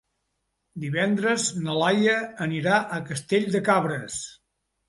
Divendres na Laia anirà a Castell de Cabres.